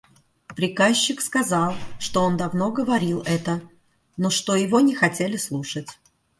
Приказчик сказал, что он давно говорил это, но что его не хотели слушать.